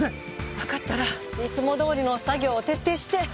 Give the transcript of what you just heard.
わかったらいつもどおりの作業を徹底して。